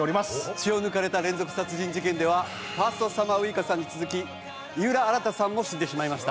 血を抜かれた連続殺人事件ではファーストサマーウイカさんに続き井浦新さんも死んでしまいました。